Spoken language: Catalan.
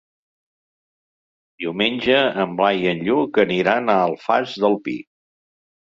Diumenge en Blai i en Lluc aniran a l'Alfàs del Pi.